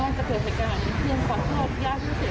้านงงกงผิว